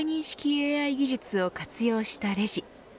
ＡＩ技術を活用したレジ。